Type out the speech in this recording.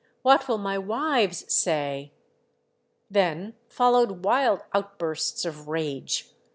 What will my wives say ?" Then followed wild outbursts of rage.